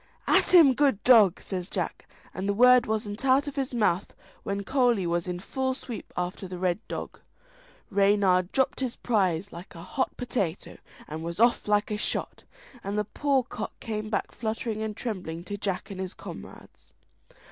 "At him, good dog!" says Jack, and the word wasn't out of his mouth when Coley was in full sweep after the Red Dog. Reynard dropped his prize like a hot potato, and was off like shot, and the poor cock came back fluttering and trembling to Jack and his comrades.